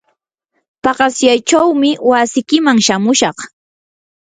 paqasyaychawmi wasikiman shamushaq.